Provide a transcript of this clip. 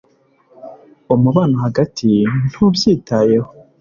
umubano hagati ntubyitayeho.